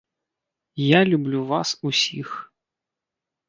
Я люблю вас усіх.